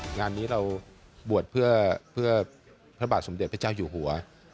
งานนี้เราบวชเพื่อพระบาทสมเด็จพระเจ้าอยู่หัว